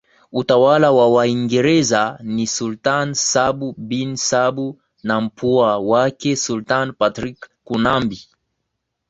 utawala wa Waingereza ni Sultan Sabu Bin Sabu na mpwa wake Sultan Patrick Kunambi